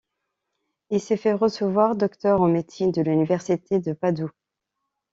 Il s'est fait recevoir docteur en médecine de l'université de Padoue.